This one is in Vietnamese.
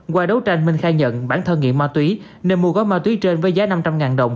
qua đấu tranh minh khai nhận bản thân nghiện ma túy nên mua gói ma túy trên với giá năm trăm linh đồng